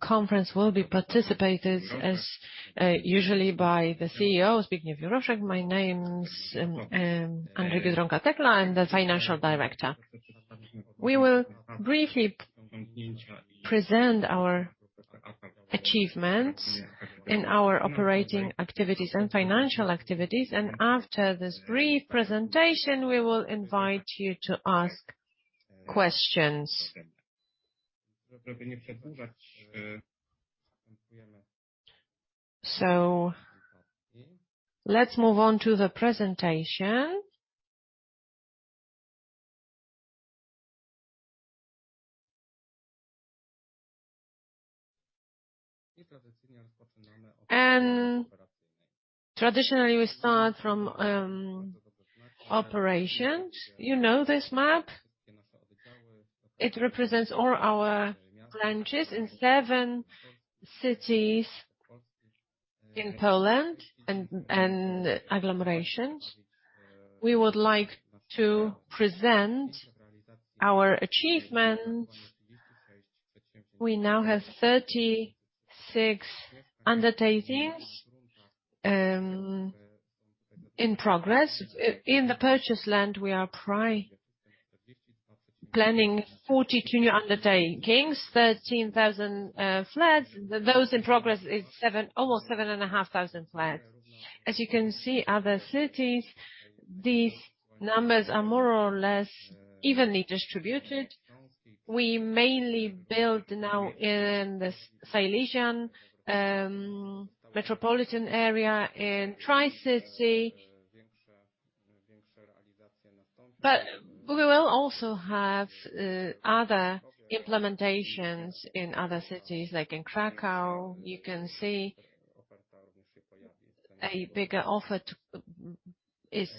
Conference will be participated, as usually, by the CEO, Zbigniew Juroszek. My name is Andrzej Biedronka-Tetla. I'm the Financial Director. We will briefly present our achievements in our operating activities and financial activities, and after this brief presentation, we will invite you to ask questions. Let's move on to the presentation. Traditionally, we start from operations. You know this map. It represents all our branches in seven cities in Poland and agglomerations. We would like to present our achievements. We now have 36 undertakings in progress. In the purchase land, we are planning 42 new undertakings, 13,000 flats. Those in progress is almost seven and a half thousand flats. As you can see other cities, these numbers are more or less evenly distributed. We mainly build now in the Silesian metropolitan area in Tri-City. We will also have other implementations in other cities, like in Kraków. You can see a bigger offer is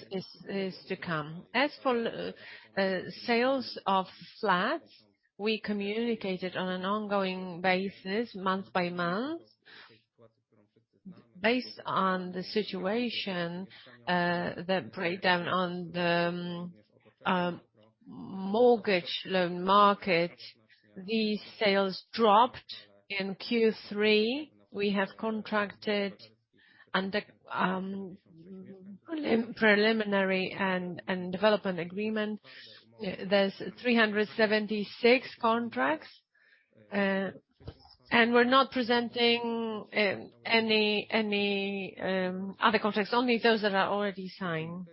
to come. As for sales of flats, we communicated on an ongoing basis month by month. Based on the situation, the breakdown on the mortgage loan market, these sales dropped in Q3. We have contracted under preliminary and development agreement. There's 376 contracts, and we're not presenting other contracts, only those that are already signed.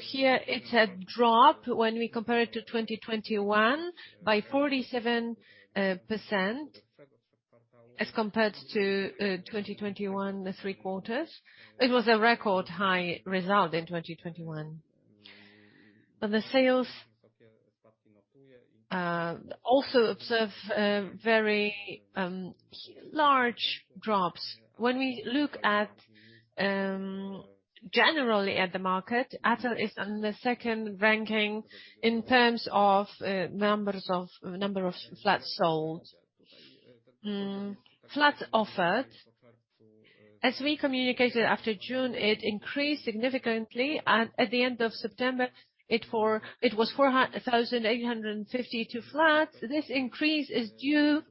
Here it's a drop when we compare it to 2021 by 47% as compared to 2021, the three quarters. It was a record high result in 2021. The sales also observe very large drops. When we look generally at the market, Atal is on the second ranking in terms of number of flats sold. Flats offered. As we communicated after June, it increased significantly. At the end of September, it was 4,852 flats. This increase is due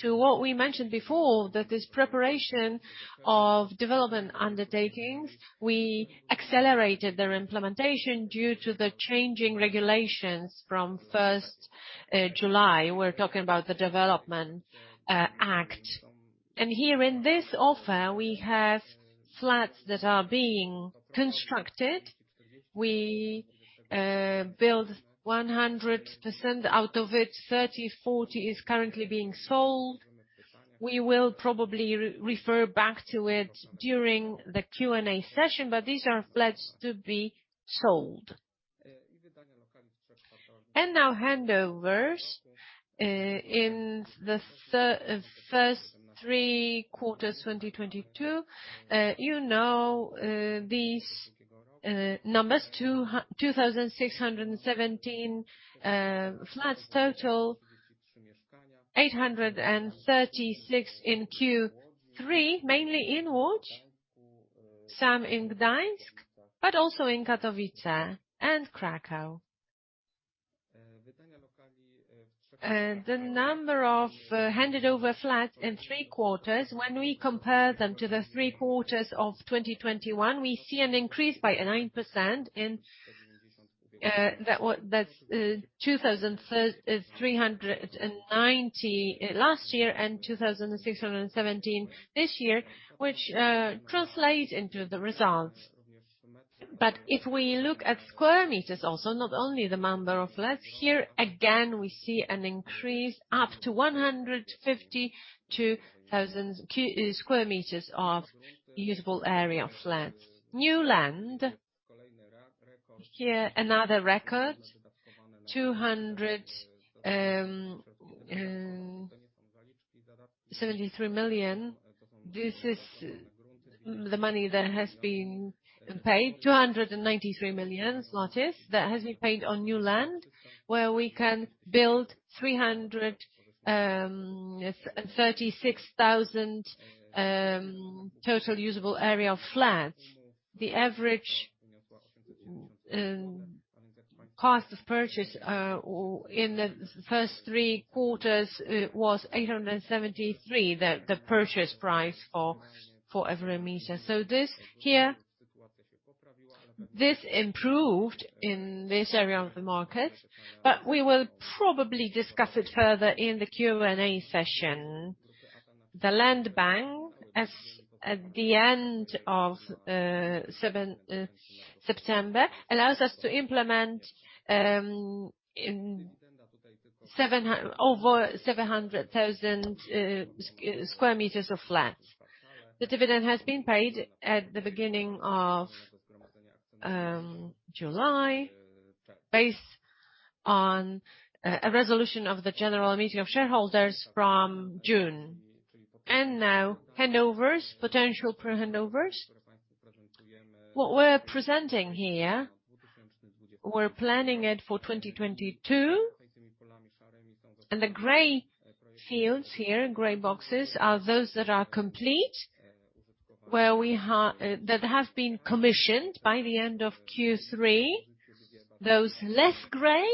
to what we mentioned before, that this preparation of development undertakings, we accelerated their implementation due to the changing regulations from July 1st. We're talking about the Development Act. Here in this offer, we have flats that are being constructed. We build 100%. Out of it, 30%-40% is currently being sold. We will probably re-refer back to it during the Q&A session, but these are flats to be sold. Now handovers. In the first three quarters 2022 these numbers, 2,617 flats total, 836 in Q3, mainly in Łódź, some in Gdańsk, but also in Katowice and Kraków. The number of handed over flats in three quarters, when we compare them to the three quarters of 2021, we see an increase by 9% that's 2,390 last year and 2,617 this year, which translates into the results. If we look at square meters also, not only the number of flats, here again, we see an increase up to 152,000 square meters of usable area of flats. New land. Here, another record, 273 million. This is the money that has been paid, 293 million that has been paid on new land, where we can build 336,000 total usable area of flats. The average cost of purchase or in the first three quarters was 873, the purchase price for every meter. This improved in this area of the market, but we will probably discuss it further in the Q&A session. The land bank, as at the end of seven September, allows us to implement over 700,000 square meters of flats. The dividend has been paid at the beginning of July, based on a resolution of the general meeting of shareholders from June. Now handovers, potential pro handovers. What we're presenting here, we're planning it for 2022. The gray fields here, gray boxes, are those that are complete, that have been commissioned by the end of Q3. Those less gray,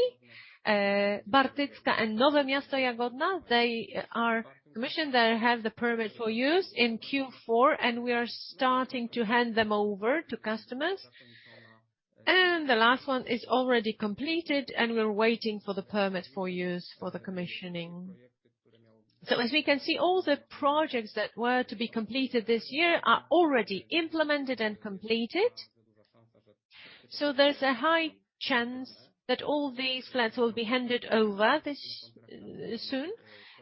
Bartycka and Nowe Miasto Jagodno, they are commissioned, they have the permit for use in Q4, and we are starting to hand them over to customers. The last one is already completed, and we're waiting for the permit for use for the commissioning. As we can see, all the projects that were to be completed this year are already implemented and completed. There's a high chance that all these flats will be handed over this soon.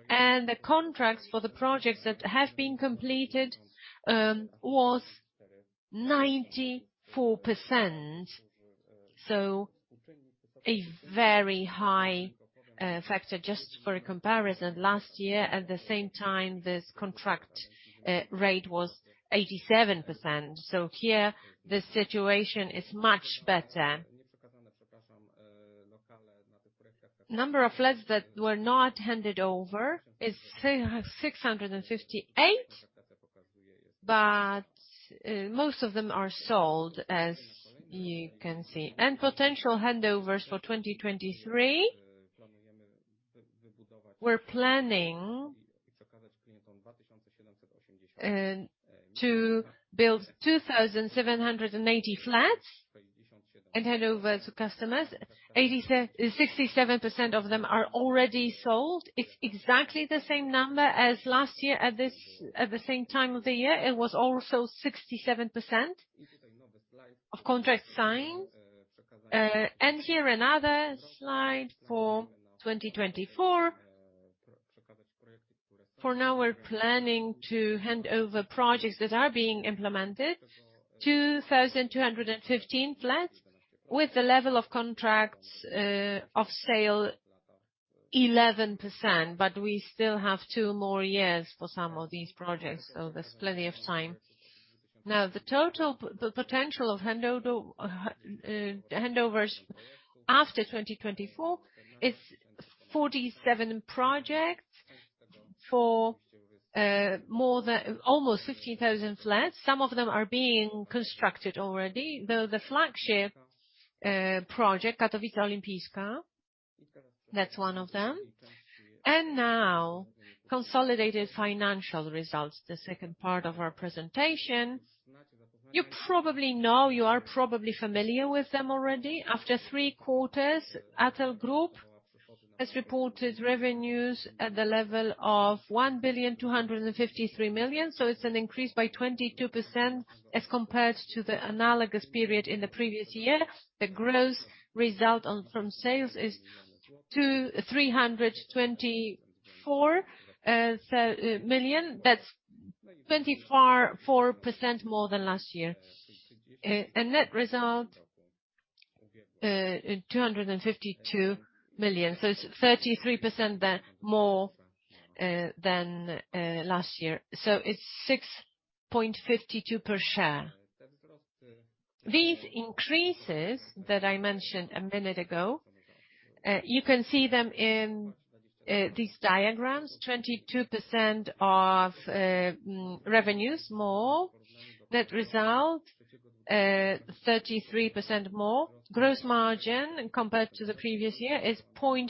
The contracts for the projects that have been completed was 94%. A very high factor. Just for a comparison, last year at the same time, this contract rate was 87%. Here the situation is much better. Number of flats that were not handed over is 658, but most of them are sold, as you can see. Potential handovers for 2023, we're planning to build 2,780 flats and hand over to customers. 67% of them are already sold. It's exactly the same number as last year at the same time of the year. It was also 67% of contracts signed. Here another slide for 2024. For now, we're planning to hand over projects that are being implemented, 2,215 flats with the level of contracts of sale 11%. We still have two more years for some of these projects, so there's plenty of time. Now the total potential of handovers after 2024 is 47 projects for more than, almost 15,000 flats. Some of them are being constructed already, though the flagship project, Katowice Olimpijska, that's one of them. Now consolidated financial results, the second part of our presentation. You probably know, you are probably familiar with them already. After three quarters, Atal Group has reported revenues at the level of 1,253 million, so it's an increase by 22% as compared to the analogous period in the previous year. The gross result on, from sales is 324 million. That's 24.4% more than last year. Net result, 252 million, so it's 33% more than last year. It's 6.52 per share. These increases that I mentioned a minute ago, you can see them in these diagrams. 22% of revenues more. Net result, 33% more. Gross margin compared to the previous year is 0.4%.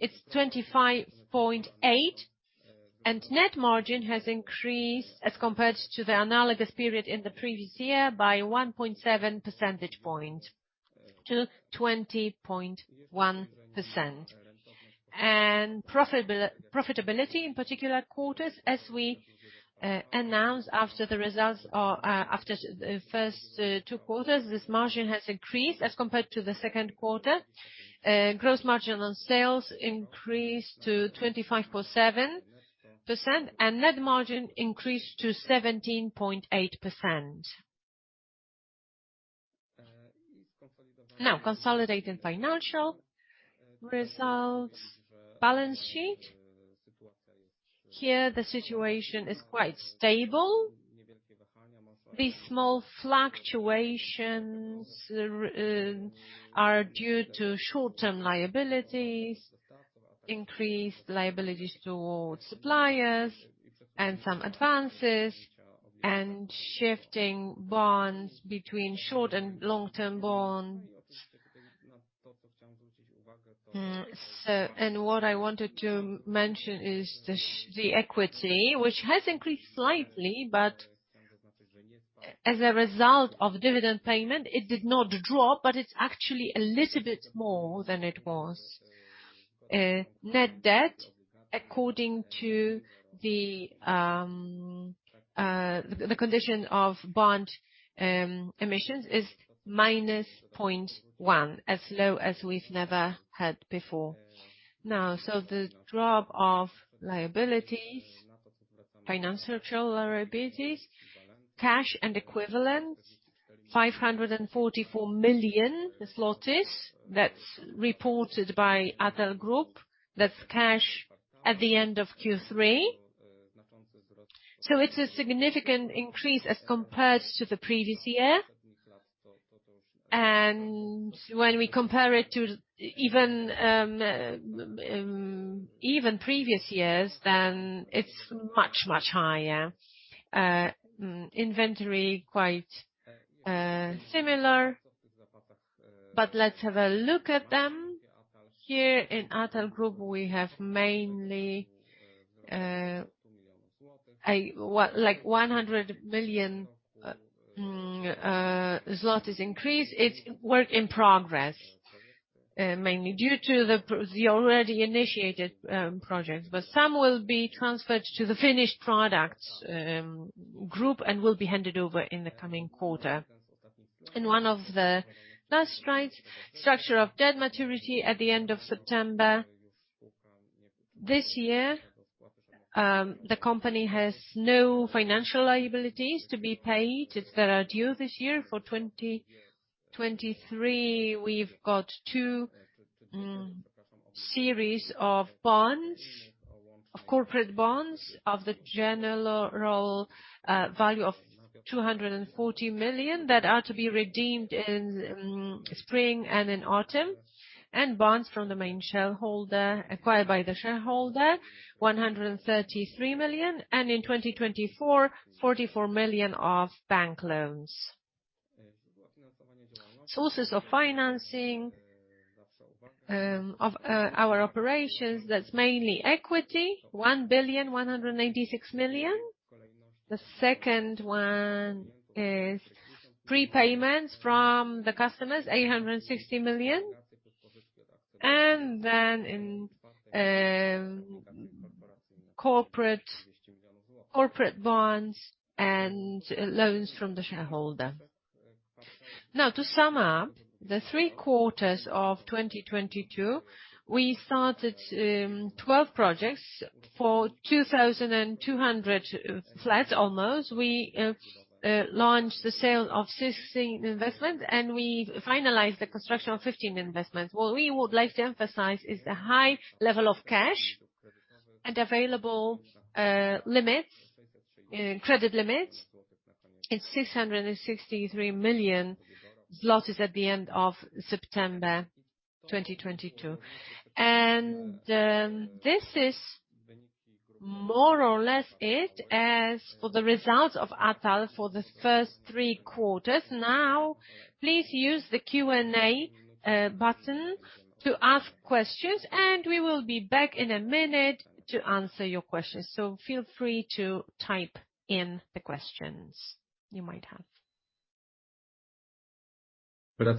It's 25.8%. Net margin has increased as compared to the analogous period in the previous year by 1.7%-20.1%. Profitability, in particular quarters, as we announced after the results or after the first two quarters, this margin has increased as compared to the second quarter. Gross margin on sales increased to 25.7%, and net margin increased to 17.8%. Now, consolidated financial results. Balance sheet. Here, the situation is quite stable. These small fluctuations are due to short-term liabilities, increased liabilities towards suppliers and some advances and shifting bonds between short and long-term bonds. What I wanted to mention is the equity, which has increased slightly, but as a result of dividend payment, it did not drop, but it's actually a little bit more than it was. Net debt, according to the condition of bond emissions, is negative 0.1, as low as we've never had before. Now, the drop of liabilities, financial liabilities, cash and equivalents, 544 million. That's reported by Atal Group. That's cash at the end of Q3. It's a significant increase as compared to the previous year. When we compare it to even previous years, then it's much higher. Inventory quite similar, but let's have a look at them. Here in Atal Group, we have mainly what? Like 100 million zlotys increase. It's work in progress, mainly due to the already initiated projects. Some will be transferred to the finished products group and will be handed over in the coming quarter. One of the last slides, structure of debt maturity at the end of September. This year, the company has no financial liabilities to be paid that are due this year. For 2023, we've got two series of corporate bonds of the general value of 240 million that are to be redeemed in spring and in autumn, and bonds acquired by the shareholder, 133 million. In 2024, 44 million of bank loans. Sources of financing of our operations, that's mainly equity, 1,186 million. The second one is prepayments from the customers, 860 million. In corporate bonds and loans from the shareholder. Now to sum up, the three quarters of 2022, we started 12 projects for 2,200 flats almost. We launched the sale of 16 investment, and we finalized the construction of 15 investments. What we would like to emphasize is the high level of cash and available credit limits. It's 663 million zlotys at the end of September 2022. This is more or less it as for the results of Atal for the first three quarters. Now, please use the Q&A button to ask questions, and we will be back in a minute to answer your questions. Feel free to type in the questions you might have. We are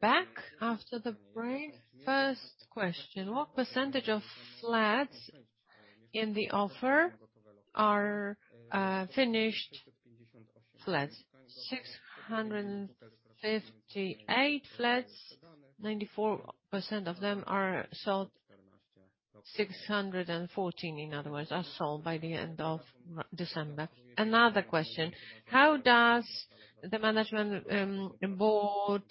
back after the break. First question, what percentage of flats in the offer are finished flats? 658 flats, 94% of them are sold. 614, in other words, are sold by the end of December. Another question, how does the Management Board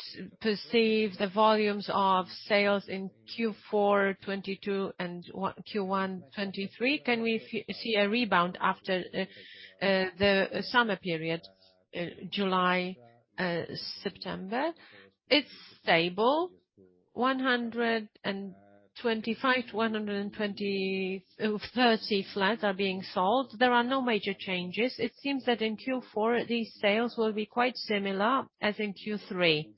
perceive the volumes of sales in Q4 2022 and Q1 2023? Can we see a rebound after the summer period, July, September? It's stable. 125-130 flats are being sold. There are no major changes. It seems that in Q4, these sales will be quite similar as in Q3.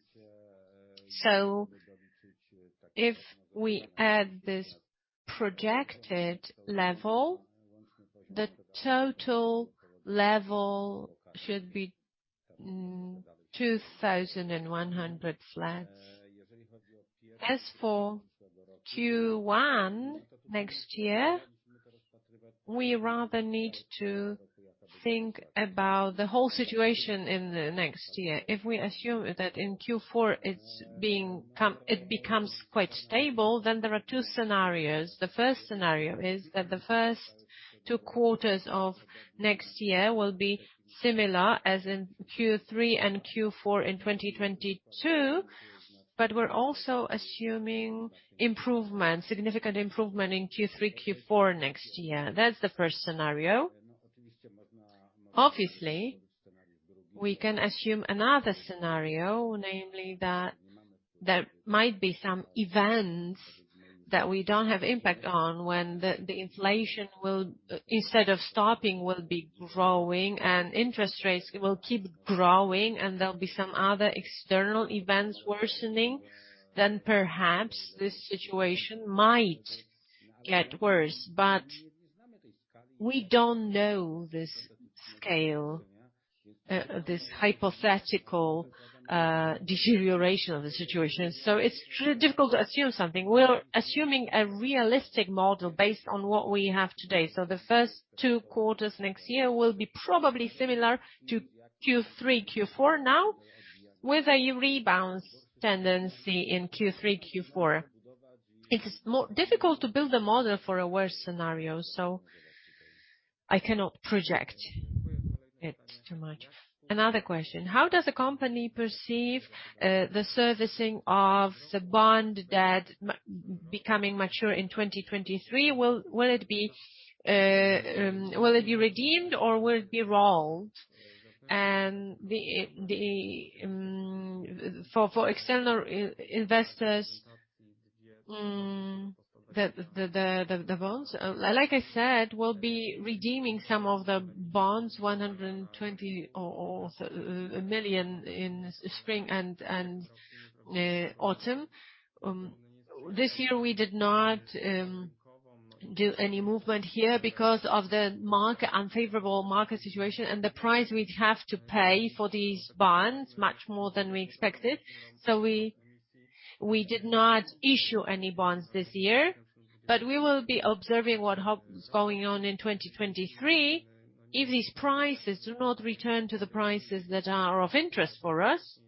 If we add this projected level, the total level should be 2,100 flats. As for Q1 next year, we rather need to think about the whole situation in the next year. If we assume that in Q4 it becomes quite stable, then there are two scenarios. The first scenario is that the first two quarters of next year will be similar as in Q3 and Q4 in 2022, but we're also assuming improvement, significant improvement in Q3-Q4 next year. That's the first scenario. Obviously, we can assume another scenario, namely that there might be some events that we don't have impact on when the inflation, instead of stopping, will be growing and interest rates will keep growing and there'll be some other external events worsening, then perhaps this situation might get worse. We don't know this hypothetical deterioration of the situation, so it's difficult to assume something. We're assuming a realistic model based on what we have today. The first two quarters next year will be probably similar to Q3, Q4 now, with a rebound tendency in Q3, Q4. It is more difficult to build a model for a worse scenario. I cannot project it too much. Another question, how does the company perceive the servicing of the bond debt becoming mature in 2023? Will it be redeemed or will it be rolled? For external investors, the bonds? Like I said, we'll be redeeming some of the bonds, 120 million in spring and autumn. This year we did not do any movement here because of the unfavorable market situation and the price we'd have to pay for these bonds, much more than we expected. We did not issue any bonds this year, but we will be observing what is going on in 2023. If these prices do not return to the prices that are of interest for us,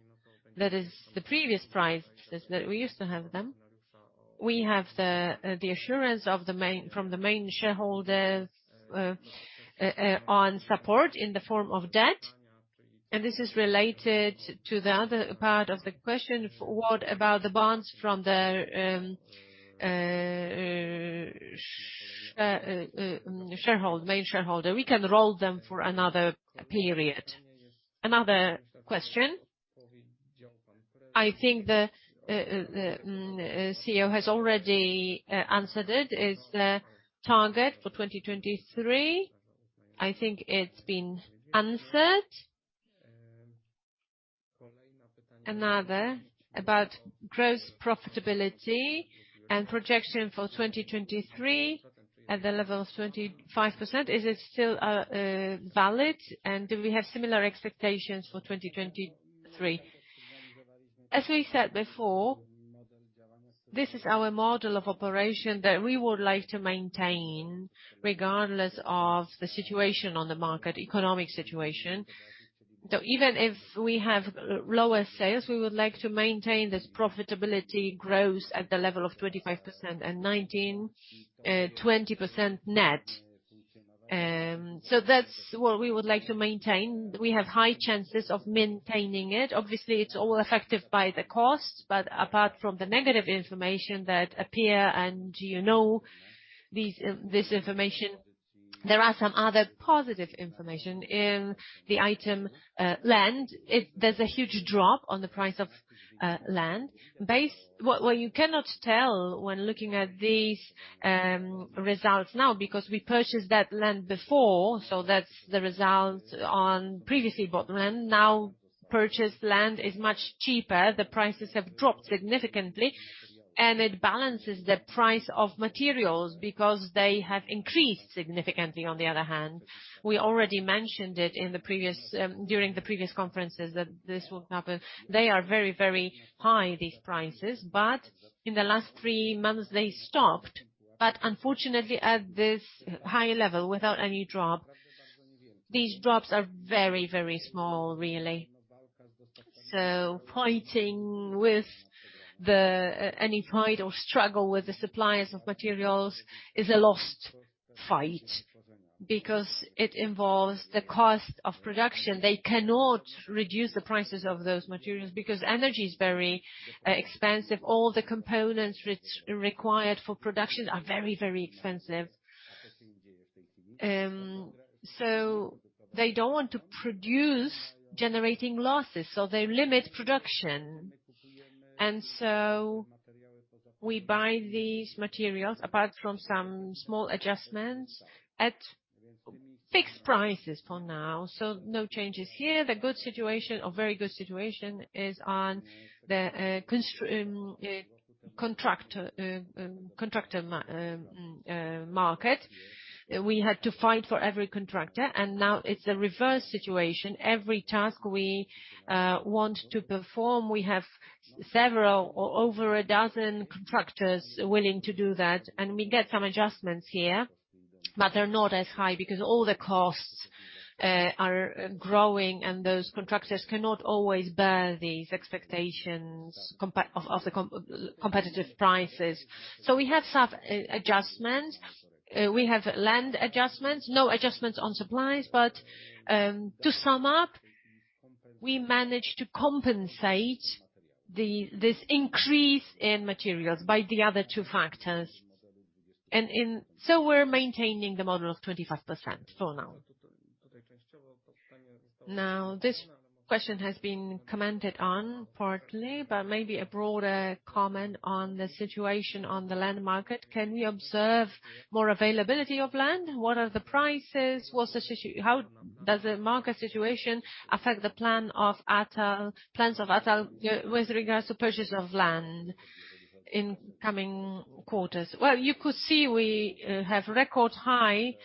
that is the previous prices that we used to have them, we have the assurance from the main shareholders on support in the form of debt. This is related to the other part of the question, what about the bonds from the main shareholder? We can roll them for another period. Another question. I think the CEO has already answered it, is the target for 2023. I think it's been answered. Another about gross profitability and projection for 2023 at the level of 25%. Is it still valid? Do we have similar expectations for 2023? As we said before, this is our model of operation that we would like to maintain regardless of the situation on the market, economic situation. Even if we have lower sales, we would like to maintain this profitability gross at the level of 25% and 20% net. That's what we would like to maintain. We have high chances of maintaining it. Obviously, it's all affected by the costs, but apart from the negative information that appear and this information, there are some other positive information in the item land. There's a huge drop on the price of land. Well, you cannot tell when looking at these results now because we purchased that land before, so that's the result on previously bought land. Now purchased land is much cheaper. The prices have dropped significantly and it balances the price of materials because they have increased significantly on the other hand. We already mentioned it in the previous during the previous conferences that this will happen. They are very, very high, these prices, but in the last three months they stopped, but unfortunately at this high level without any drop. These drops are very, very small, really. So fighting with any fight or struggle with the suppliers of materials is a lost fight because it involves the cost of production. They cannot reduce the prices of those materials because energy is very expensive. All the components re-required for production are very expensive. They don't want to produce generating losses, so they limit production. We buy these materials apart from some small adjustments at fixed prices for now, so no changes here. The good situation or very good situation is on the contractor market. We had to fight for every contractor, and now it's a reverse situation. Every task we want to perform, we have several or over a dozen contractors willing to do that, and we get some adjustments here, but they're not as high because all the costs are growing and those contractors cannot always bear these expectations of the competitive prices. We have some adjustments. We have land adjustments. No adjustments on supplies, but to sum up, we managed to compensate this increase in materials by the other two factors. We're maintaining the model of 25% for now. Now, this question has been commented on partly, but maybe a broader comment on the situation on the land market. Can you observe more availability of land? What are the prices? How does the market situation affect the plans of Atal with regards to purchase of land in coming quarters? Well, you could see we have record high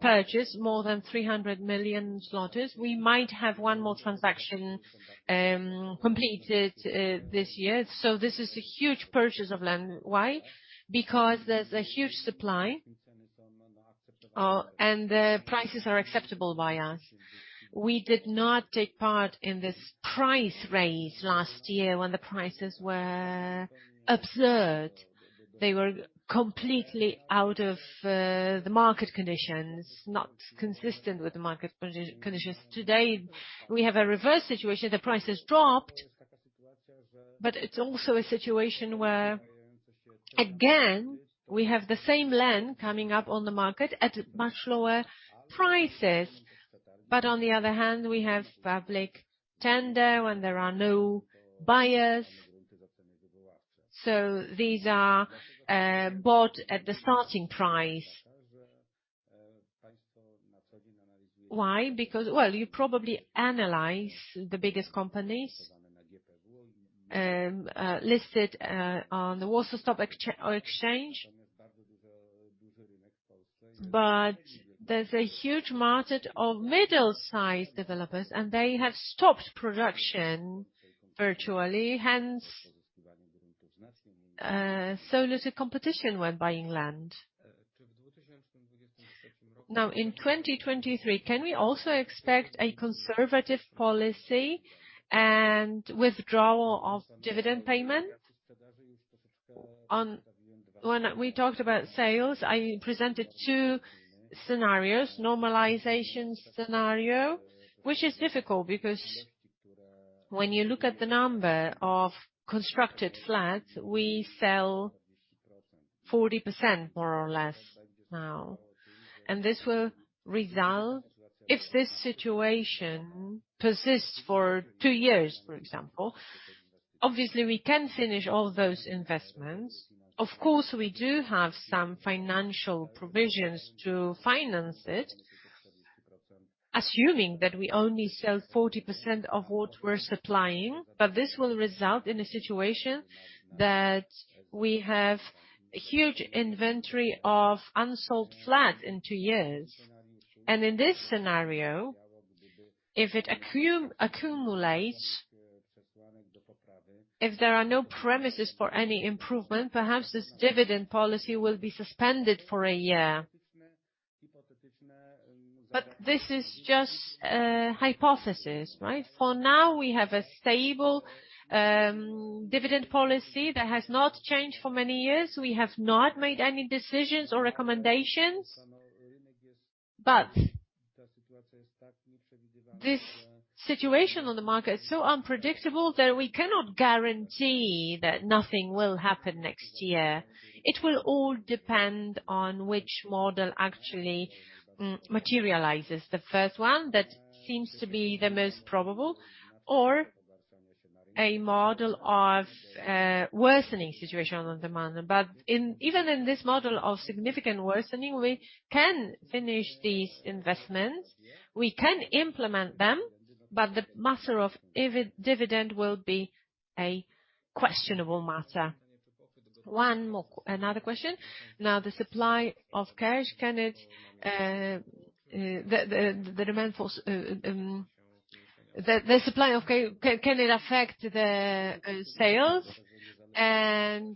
purchase, more than 300 million. We might have one more transaction completed this year. This is a huge purchase of land. Why? Because there's a huge supply and the prices are acceptable by us. We did not take part in this price raise last year when the prices were absurd. They were completely out of the market conditions, not consistent with the market conditions. Today, we have a reverse situation. The price has dropped, but it's also a situation where, again, we have the same land coming up on the market at much lower prices. On the other hand, we have public tender when there are no buyers. These are bought at the starting price. Why? Because well, you probably analyze the biggest companies listed on the Warsaw Stock Exchange. There's a huge market of middle-sized developers, and they have stopped production virtually, hence so little competition when buying land. Now, in 2023, can we also expect a conservative policy and withdrawal of dividend payment? When we talked about sales, I presented two scenarios. Normalization scenario, which is difficult because when you look at the number of constructed flats, we sell 40% more or less now. This will result, if this situation persists for two years, for example, obviously we can finish all those investments. Of course, we do have some financial provisions to finance it, assuming that we only sell 40% of what we're supplying, but this will result in a situation that we have huge inventory of unsold flats in two years. In this scenario, if it accumulates, if there are no premises for any improvement, perhaps this dividend policy will be suspended for a year. This is just a hypothesis, right? For now, we have a stable dividend policy that has not changed for many years. We have not made any decisions or recommendations. This situation on the market is so unpredictable that we cannot guarantee that nothing will happen next year. It will all depend on which model actually materializes. The first one, that seems to be the most probable, or a model of worsening situation on demand. Even in this model of significant worsening, we can finish these investments, we can implement them, but the matter of dividend will be a questionable matter. One more. Another question. Now, the supply of cash, can it affect the sales?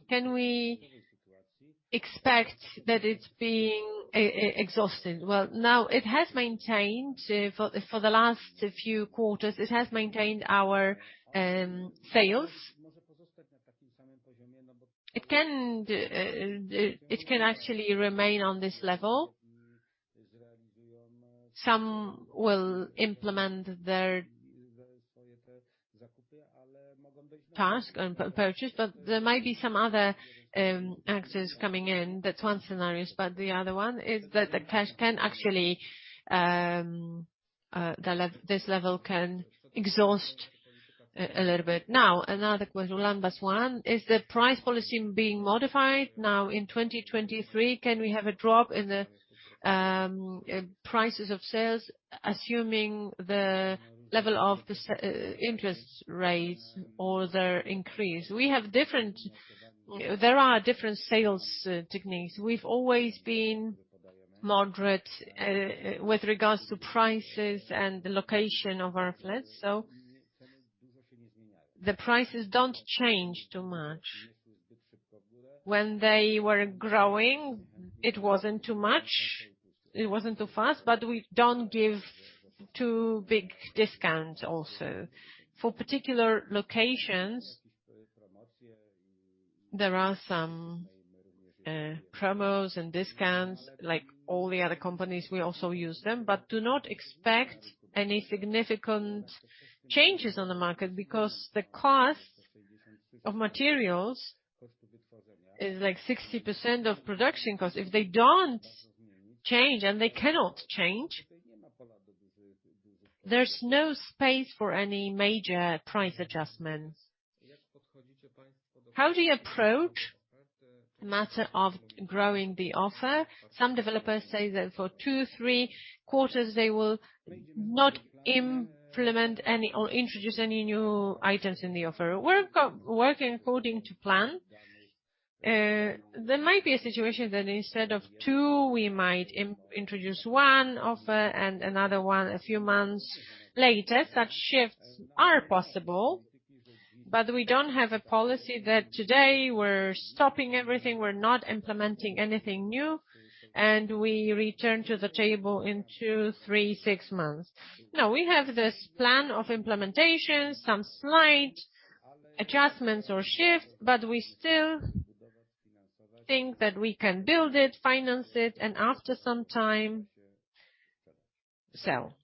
Can we expect that it's being exhausted? Well, now it has maintained for the last few quarters, it has maintained our sales. It can actually remain on this level. Some will implement their task and purchase, but there might be some other actors coming in. That's one scenario. The other one is that this level can exhaust a little bit. Now, another question. Last one. Is the price policy being modified now in 2023? Can we have a drop in the prices of sales, assuming the level of the interest rates or their increase? There are different sales techniques. We've always been moderate with regards to prices and the location of our flats, so the prices don't change too much. When they were growing, it wasn't too much, it wasn't too fast, but we don't give too big discounts also. For particular locations, there are some promos and discounts. Like all the other companies, we also use them, but do not expect any significant changes on the market because the cost of materials is like 60% of production cost. If they don't change, and they cannot change, there's no space for any major price adjustments. How do you approach matter of growing the offer? Some developers say that for two, three quarters they will not implement any or introduce any new items in the offer. We're working according to plan. There might be a situation that instead of two, we might introduce one offer and another one a few months later. Such shifts are possible, but we don't have a policy that today we're stopping everything, we're not implementing anything new, and we return to the table in two, three, six months. No, we have this plan of implementation, some slight adjustments or shifts, but we still think that we can build it, finance it, and after some time, sell.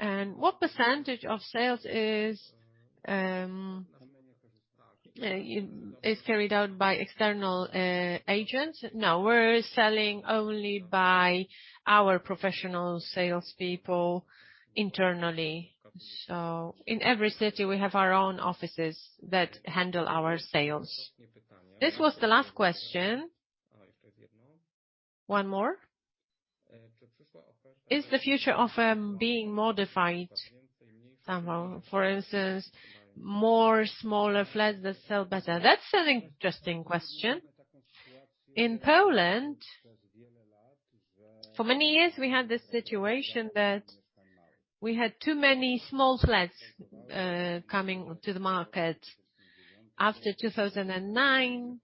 What percentage of sales is carried out by external agents? No, we're selling only by our professional salespeople internally. In every city, we have our own offices that handle our sales. This was the last question. One more. Is the future offer being modified somehow? For instance, more smaller flats that sell better. That's an interesting question. In Poland, for many years, we had this situation that we had too many small flats coming to the market. After 2009,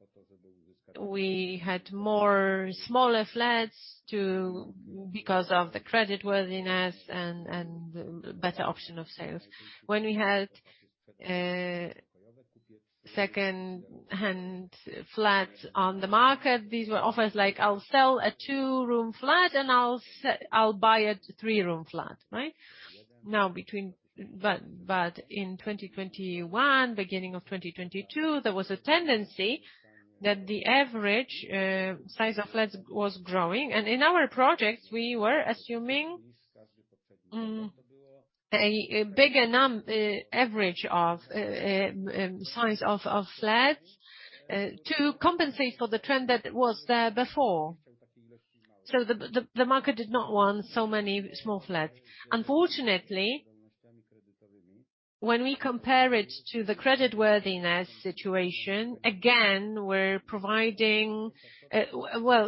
we had more smaller flats because of the creditworthiness and better option of sales. When we had second-hand flats on the market, these were offers like, "I'll sell a two-room flat and I'll buy a three-room flat." Right? In 2021, beginning of 2022, there was a tendency that the average size of flats was growing. In our projects, we were assuming a bigger average of size of flats to compensate for the trend that was there before. The market did not want so many small flats. Unfortunately, when we compare it to the creditworthiness situation, again, well,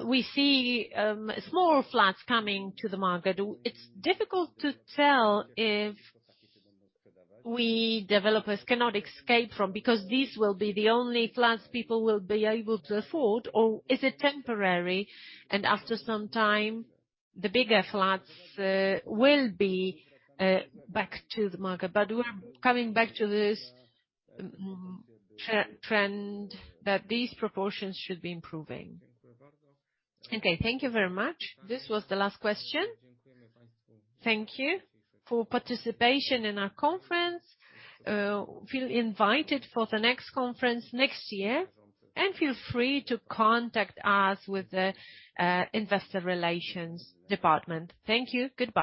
we see smaller flats coming to the market. It's difficult to tell if we developers cannot escape from because these will be the only flats people will be able to afford, or is it temporary and after some time, the bigger flats will be back to the market. We're coming back to this trend that these proportions should be improving. Okay, thank you very much. This was the last question. Thank you for participation in our conference. Feel invited for the next conference next year, and feel free to contact us with the Investor Relations department. Thank you. Goodbye.